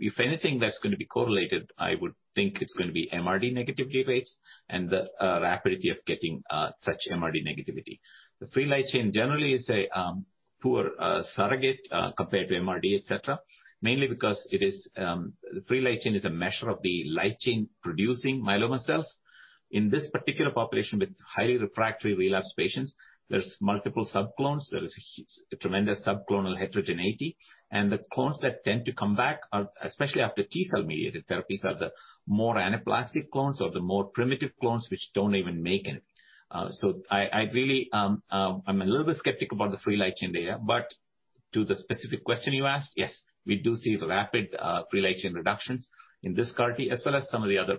S4: if anything that's going to be correlated, I would think it's going to be MRD negativity rates and the rapidity of getting such MRD negativity. The free light chain generally is a poor surrogate compared to MRD, etc., mainly because the free light chain is a measure of the light chain producing myeloma cells. In this particular population with highly refractory relapsed patients, there's multiple subclones. There is a tremendous subclonal heterogeneity, and the clones that tend to come back, especially after T-cell mediated therapies, are the more anaplastic clones or the more primitive clones which do not even make anything. I am a little bit skeptical about the free light chain data, but to the specific question you asked, yes, we do see rapid free light chain reductions in this CAR-T as well as some of the other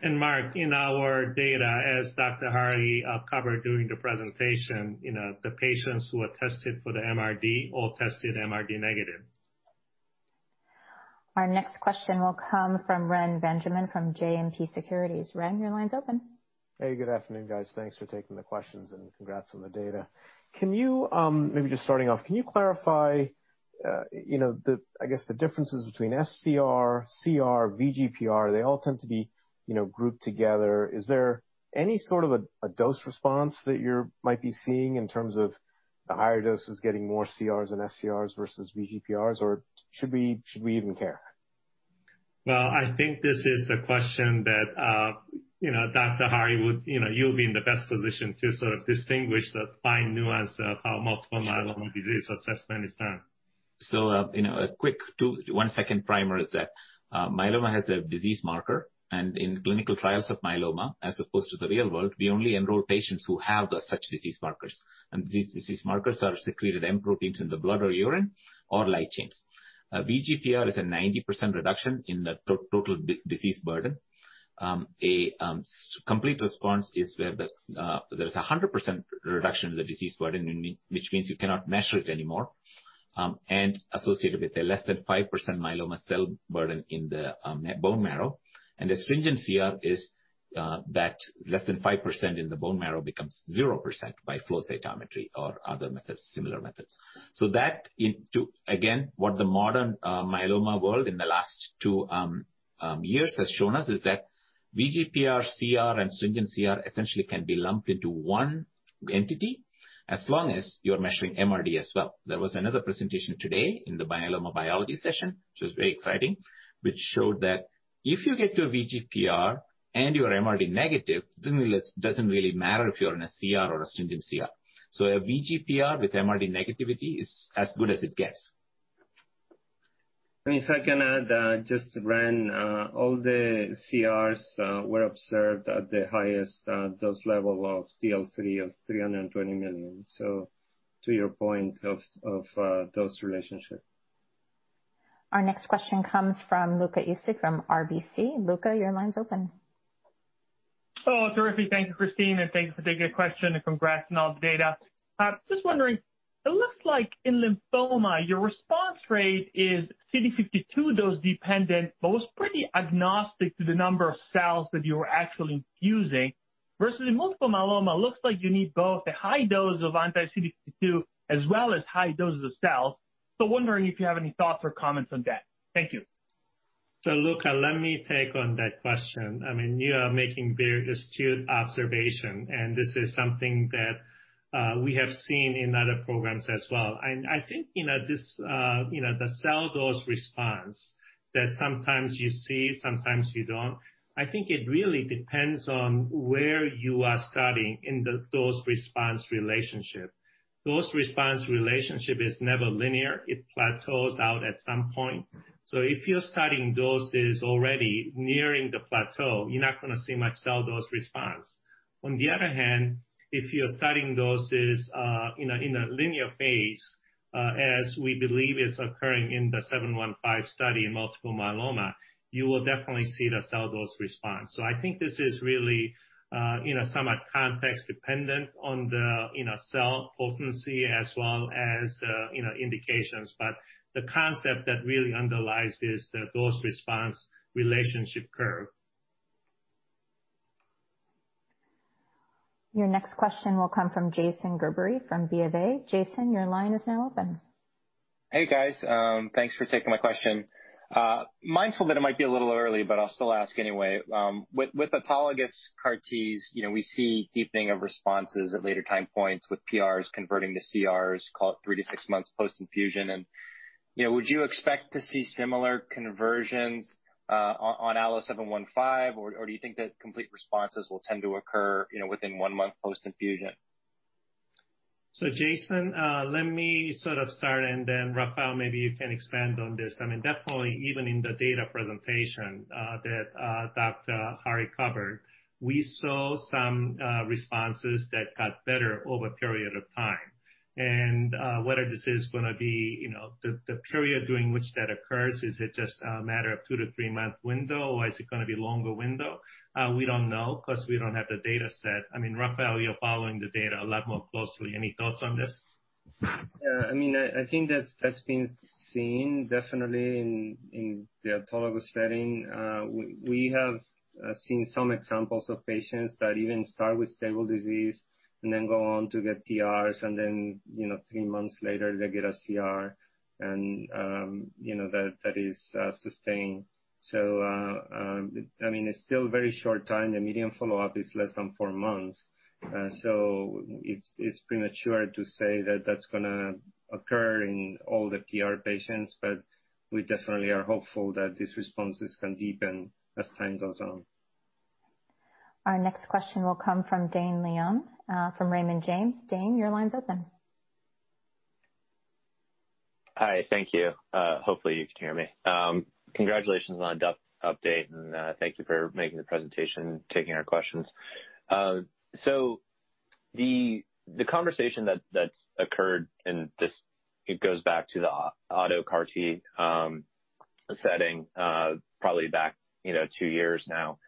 S4: CAR-Ts.
S3: Mark, in our data, as Dr. Hari covered during the presentation, the patients who are tested for the MRD all tested MRD negative.
S1: Our next question will come from Ren Benjamin from JMP Securities. Ren, your line is open.
S10: Hey, good afternoon, guys. Thanks for taking the questions and congrats on the data. Can you maybe just starting off, can you clarify, I guess, the differences between sCR, CR, VGPR? They all tend to be grouped together. Is there any sort of a dose response that you might be seeing in terms of the higher doses getting more CRs and sCRs versus VGPRs, or should we even care?
S3: I think this is the question that Dr. Hari would, you would be in the best position to sort of distinguish the fine nuance of how multiple myeloma disease assessment is done.
S4: A quick one-second primer is that myeloma has a disease marker, and in clinical trials of myeloma, as opposed to the real world, we only enroll patients who have such disease markers. These disease markers are secreted M proteins in the blood or urine or light chains. VGPR is a 90% reduction in the total disease burden. A complete response is where there is a 100% reduction in the disease burden, which means you cannot measure it anymore, and associated with a less than 5% myeloma cell burden in the bone marrow. The stringent CR is that less than 5% in the bone marrow becomes 0% by flow cytometry or other similar methods. What the modern myeloma world in the last two years has shown us is that VGPR, CR, and stringent CR essentially can be lumped into one entity as long as you're measuring MRD as well. There was another presentation today in the myeloma biology session, which was very exciting, which showed that if you get to a VGPR and you're MRD negative, it does not really matter if you're in a CR or a stringent CR. A VGPR with MRD negativity is as good as it gets.
S3: I mean, if I can add, just to Ren, all the CRs were observed at the highest dose level of DL3 of 320 million. To your point of dose relationship.
S1: Our next question comes from Luca Issi from RBC. Luca, your line's open.
S11: Oh, terrific. Thank you, Christine, and thank you for taking the question and congrats on all the data. Just wondering, it looks like in lymphoma, your response rate is CD52 dose dependent, but was pretty agnostic to the number of cells that you were actually infusing versus in multiple myeloma. It looks like you need both a high dose of anti-CD52 as well as high doses of cells. Wondering if you have any thoughts or comments on that. Thank you.
S3: Luca, let me take on that question. I mean, you are making a very astute observation, and this is something that we have seen in other programs as well. I think the cell dose response that sometimes you see, sometimes you do not, I think it really depends on where you are starting in the dose response relationship. Dose response relationship is never linear. It plateaus out at some point. If you are starting doses already nearing the plateau, you are not going to see much cell dose response. On the other hand, if you are starting doses in a linear phase, as we believe is occurring in the 715 study in multiple myeloma, you will definitely see the cell dose response. I think this is really somewhat context dependent on the cell potency as well as the indications, but the concept that really underlies is the dose response relationship curve.
S1: Your next question will come from Jason Gerbery from ViaVey. Jason, your line is now open.
S12: Hey, guys. Thanks for taking my question. Mindful that it might be a little early, but I'll still ask anyway. With autologous CAR-Ts, we see deepening of responses at later time points with PRs converting to CRs, call it three to six months post-infusion. Would you expect to see similar conversions on ALLO-715, or do you think that complete responses will tend to occur within one month post-infusion?
S2: Jason, let me sort of start, and then Rafael, maybe you can expand on this. I mean, definitely, even in the data presentation that Dr. Hari covered, we saw some responses that got better over a period of time. Whether this is going to be the period during which that occurs, is it just a matter of a two to three month window, or is it going to be a longer window? We do not know because we do not have the dataset. I mean, Rafael, you are following the data a lot more closely. Any thoughts on this?
S3: Yeah, I mean, I think that has been seen definitely in the autologous setting. We have seen some examples of patients that even start with stable disease and then go on to get PRs, and then three months later they get a CR, and that is sustained. I mean, it is still a very short time. The median follow-up is less than four months. It is premature to say that that is going to occur in all the PR patients, but we definitely are hopeful that these responses can deepen as time goes on.
S1: Our next question will come from Dane Leon from Raymond James. Dane, your line's open.
S13: Hi, thank you. Hopefully, you can hear me. Congratulations on the update, and thank you for making the presentation, taking our questions. The conversation that's occurred, and this goes back to the auto CAR-T setting probably back two years now,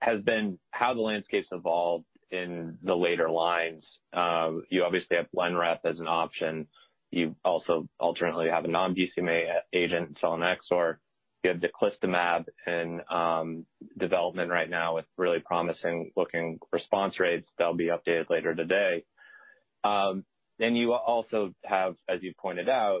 S13: has been how the landscape's evolved in the later lines. You obviously have Lenreft as an option. You also alternately have a non-BCMA agent, Selinexor. You have the Clistamab in development right now with really promising-looking response rates that'll be updated later today. You also have, as you pointed out,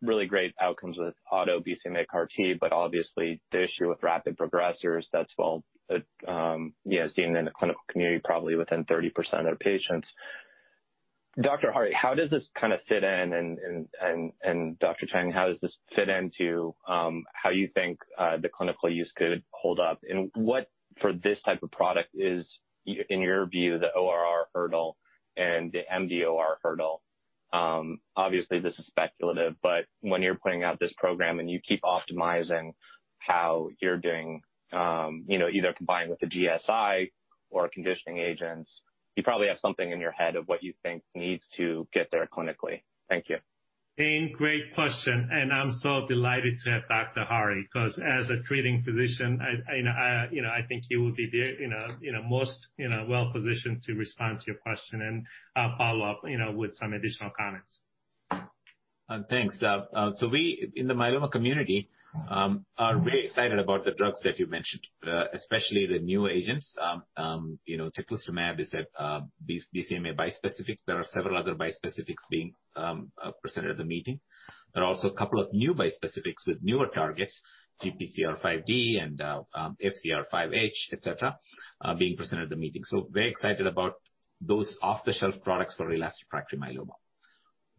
S13: really great outcomes with auto BCMA CAR-T, but obviously, the issue with rapid progressors, that's well seen in the clinical community, probably within 30% of their patients. Dr. Hari, how does this kind of fit in? And Dr. Chang, how does this fit into how you think the clinical use could hold up? What, for this type of product, is, in your view, the ORR hurdle and the MDOR hurdle? Obviously, this is speculative, but when you're putting out this program and you keep optimizing how you're doing, either combined with the GSI or conditioning agents, you probably have something in your head of what you think needs to get there clinically.
S2: Thank you. Dan, great question, and I'm so delighted to have Dr. Hari because, as a treating physician, I think he would be the most well-positioned to respond to your question and follow up with some additional comments.
S4: Thanks. We, in the myeloma community, are very excited about the drugs that you mentioned, especially the new agents. The Clistamab is a BCMA bispecific. There are several other bispecifics being presented at the meeting. There are also a couple of new bispecifics with newer targets, GPRC5D and FCRH5, etc., being presented at the meeting. Very excited about those off-the-shelf products for relapsed refractory myeloma.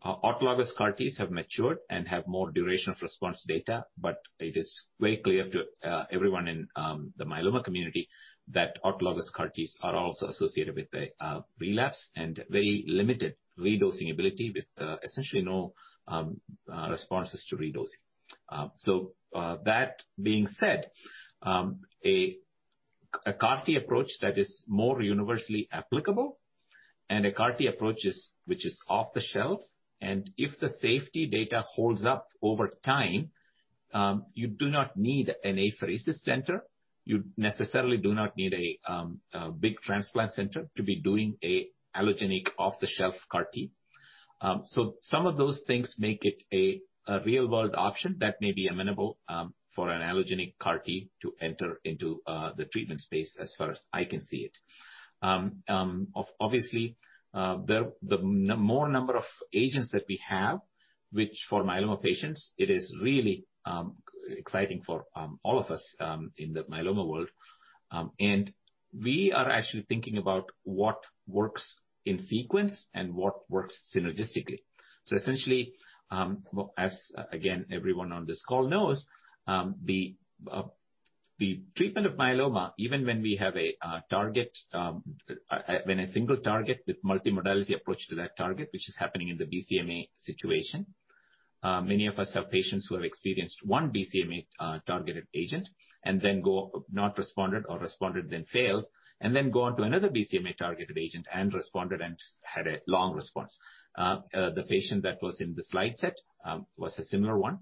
S4: Autologous CAR-Ts have matured and have more duration of response data, but it is very clear to everyone in the myeloma community that autologous CAR-Ts are also associated with relapse and very limited redosing ability with essentially no responses to redosing. That being said, a CAR-T approach that is more universally applicable and a CAR-T approach which is off-the-shelf, and if the safety data holds up over time, you do not need an apheresis center. You necessarily do not need a big transplant center to be doing an allogeneic off-the-shelf CAR-T. Some of those things make it a real-world option that may be amenable for an allogeneic CAR-T to enter into the treatment space as far as I can see it. Obviously, the more number of agents that we have, which for myeloma patients, it is really exciting for all of us in the myeloma world. We are actually thinking about what works in sequence and what works synergistically. Essentially, as again, everyone on this call knows, the treatment of myeloma, even when we have a target, when a single target with multi-modality approach to that target, which is happening in the BCMA situation, many of us have patients who have experienced one BCMA-targeted agent and then not responded or responded then failed, and then go on to another BCMA-targeted agent and responded and had a long response. The patient that was in the slide set was a similar one.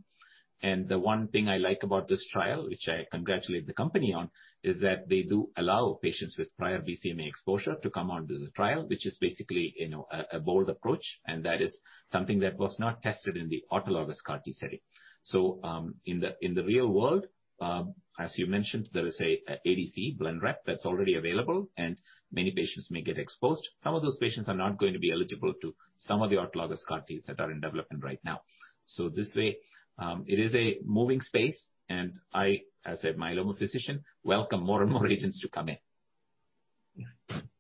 S4: The one thing I like about this trial, which I congratulate the company on, is that they do allow patients with prior BCMA exposure to come onto the trial, which is basically a bold approach, and that is something that was not tested in the autologous CAR-T setting. In the real world, as you mentioned, there is an ADC, Blenrep, that's already available, and many patients may get exposed. Some of those patients are not going to be eligible to some of the autologous CAR-Ts that are in development right now. This way, it is a moving space, and I, as a myeloma physician, welcome more and more agents to come in.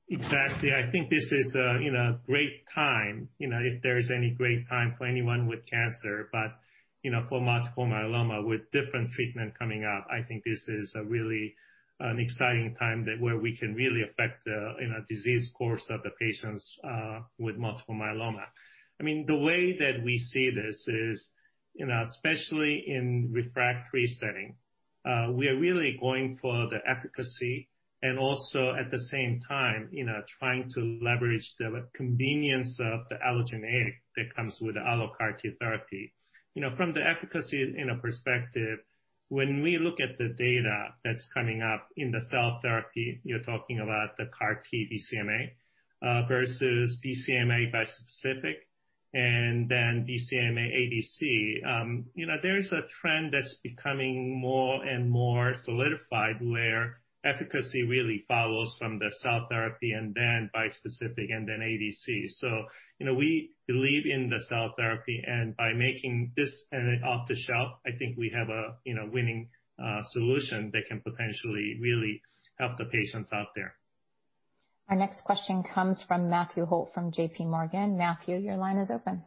S2: Exactly. I think this is a great time, if there is any great time for anyone with cancer, but for multiple myeloma with different treatment coming up, I think this is really an exciting time where we can really affect the disease course of the patients with multiple myeloma. I mean, the way that we see this is, especially in refractory setting, we are really going for the efficacy and also, at the same time, trying to leverage the convenience of the allogeneic that comes with the ALLO-CAR-T therapy. From the efficacy perspective, when we look at the data that's coming up in the cell therapy, you're talking about the CAR-T BCMA versus BCMA bispecific and then BCMA ADC. There is a trend that's becoming more and more solidified where efficacy really follows from the cell therapy and then bispecific and then ADC. We believe in the cell therapy, and by making this an off-the-shelf, I think we have a winning solution that can potentially really help the patients out there. Our next question comes from Matthew Holt from JPMorgan. Matthew, your line is open.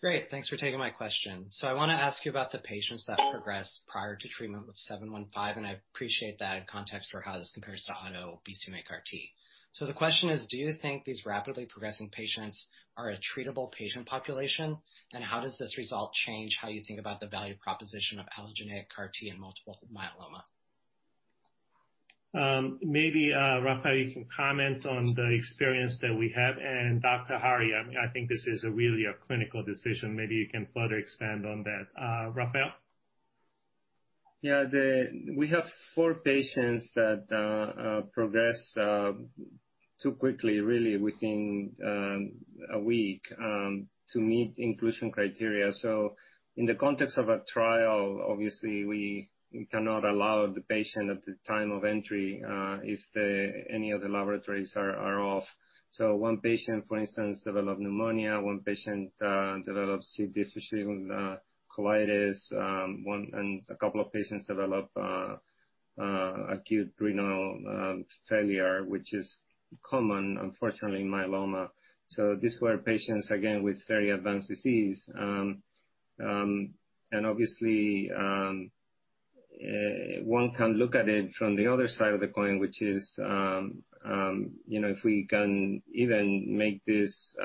S2: Great. Thanks for taking my question. I want to ask you about the patients that progressed prior to treatment with 715, and I appreciate that in context for how this compares to auto BCMA CAR-T. The question is, do you think these rapidly progressing patients are a treatable patient population, and how does this result change how you think about the value proposition of allogeneic CAR-T in multiple myeloma? Maybe Rafael, you can comment on the experience that we have. Dr. Hari, I think this is really a clinical decision. Maybe you can further expand on that. Rafael?
S3: Yeah, we have four patients that progressed too quickly, really, within a week to meet inclusion criteria. In the context of a trial, obviously, we cannot allow the patient at the time of entry if any of the laboratories are off. One patient, for instance, developed pneumonia. One patient developed C. difficile colitis. A couple of patients developed acute renal failure, which is common, unfortunately, in myeloma. These were patients, again, with very advanced disease. Obviously, one can look at it from the other side of the coin, which is, if we can even make this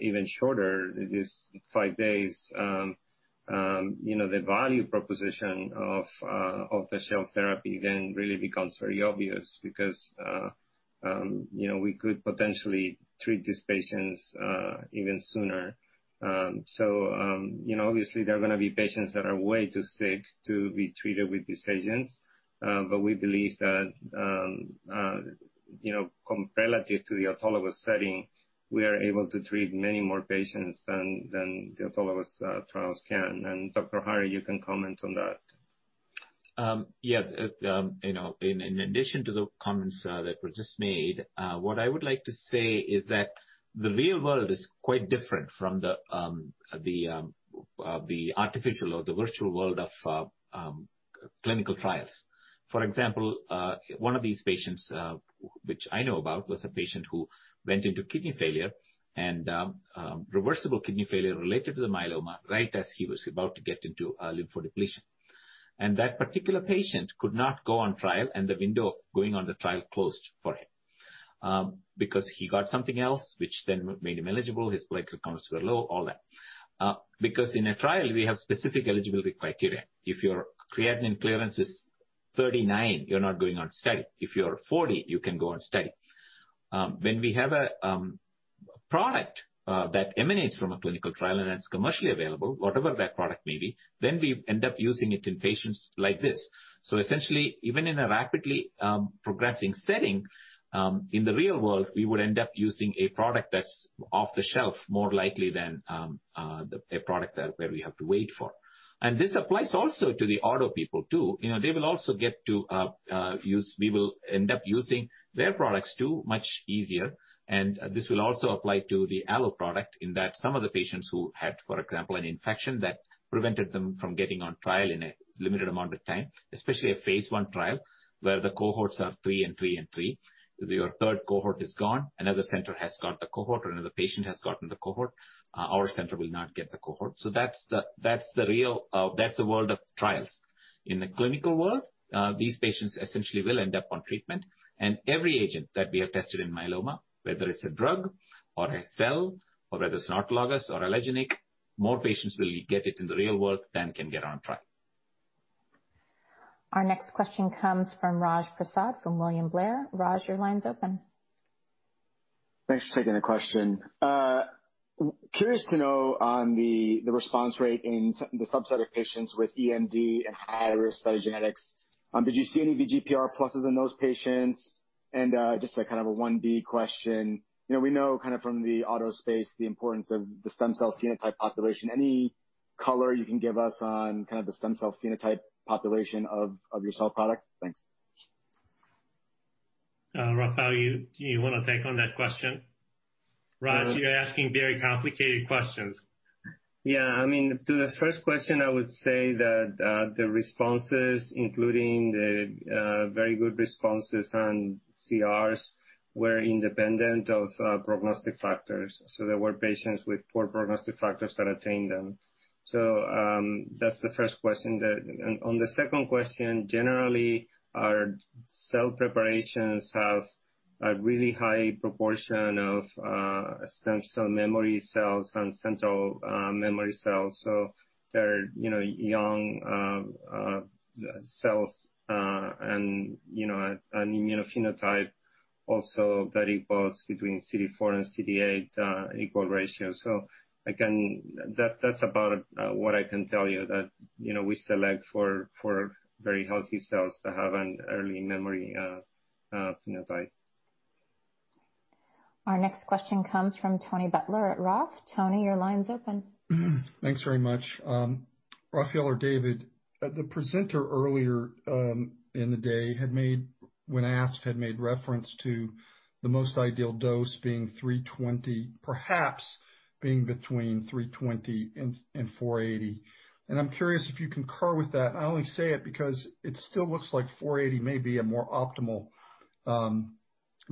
S3: even shorter, this five days, the value proposition of the shelf therapy then really becomes very obvious because we could potentially treat these patients even sooner. Obviously, there are going to be patients that are way too sick to be treated with these agents, but we believe that relative to the autologous setting, we are able to treat many more patients than the autologous trials can. Dr. Hari, you can comment on that.
S4: Yeah, in addition to the comments that were just made, what I would like to say is that the real world is quite different from the artificial or the virtual world of clinical trials. For example, one of these patients, which I know about, was a patient who went into kidney failure and reversible kidney failure related to the myeloma right as he was about to get into lymphodepletion. That particular patient could not go on trial, and the window of going on the trial closed for him because he got something else, which then made him eligible. His platelet counts were low, all that. Because in a trial, we have specific eligibility criteria. If your creatinine clearance is 39, you're not going on study. If you're 40, you can go on study. When we have a product that emanates from a clinical trial and it's commercially available, whatever that product may be, then we end up using it in patients like this. Essentially, even in a rapidly progressing setting, in the real world, we would end up using a product that's off-the-shelf more likely than a product where we have to wait for. This applies also to the auto people too. They will also get to use, we will end up using their products too much easier. This will also apply to the ALLO product in that some of the patients who had, for example, an infection that prevented them from getting on trial in a limited amount of time, especially a phase one trial where the cohorts are three and three and three, your third cohort is gone, another center has got the cohort, or another patient has gotten the cohort, our center will not get the cohort. That is the world of trials. In the clinical world, these patients essentially will end up on treatment. Every agent that we have tested in myeloma, whether it is a drug or a cell or whether it is an autologous or allogeneic, more patients will get it in the real world than can get on a trial.
S1: Our next question comes from Raj Prasad from William Blair. Raj, your line is open.
S14: Thanks for taking the question. Curious to know on the response rate in the subset of patients with EMD and high-risk cytogenetics. Did you see any VGPR pluses in those patients? And just a kind of a 1B question. We know kind of from the auto space the importance of the stem cell phenotype population. Any color you can give us on kind of the stem cell phenotype population of your cell product? Thanks.
S2: Rafael, you want to take on that question? Raj, you're asking very complicated questions.
S3: Yeah, I mean, to the first question, I would say that the responses, including the very good responses on CRs, were independent of prognostic factors. There were patients with poor prognostic factors that attained them. That's the first question. On the second question, generally, our cell preparations have a really high proportion of stem cell memory cells and central memory cells. They're young cells and an immunophenotype also that equals between CD4 and CD8 equal ratio. That's about what I can tell you, that we select for very healthy cells that have an early memory phenotype.
S1: Our next question comes from Tony Butler at Roth. Tony, your line's open.
S15: Thanks very much. Rafael or David, the presenter earlier in the day had made, when asked, had made reference to the most ideal dose being 320, perhaps being between 320 and 480. I'm curious if you concur with that. I only say it because it still looks like 480 may be a more optimal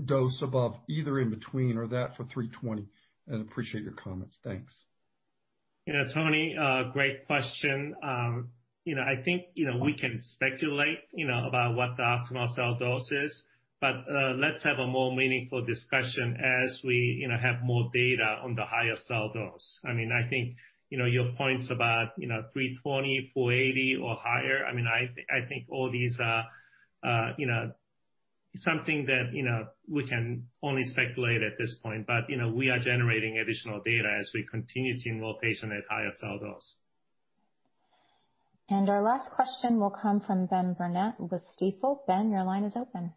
S15: dose above either in between or that for 320. I appreciate your comments. Thanks.
S2: Yeah, Tony, great question. I think we can speculate about what the optimal cell dose is, but let's have a more meaningful discussion as we have more data on the higher cell dose. I mean, I think your points about 320, 480, or higher, I mean, I think all these are something that we can only speculate at this point, but we are generating additional data as we continue to involve patients at higher cell dose.
S1: Our last question will come from Ben Burnett with Staple. Ben, your line is open.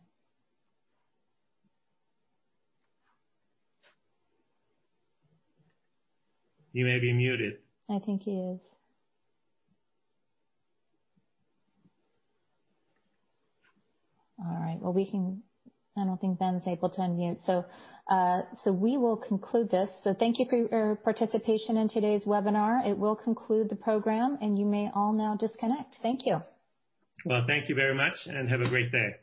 S2: He may be muted.
S1: I think he is. All right. I do not think Ben's able to unmute. We will conclude this. Thank you for your participation in today's webinar. It will conclude the program, and you may all now disconnect. Thank you.
S2: Thank you very much, and have a great day.